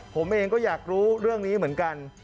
ผมเองก็อยากรู้เรื่องนี้เหมือนกัน